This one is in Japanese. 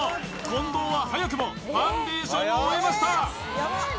近藤は早くもファンデーションを終えました！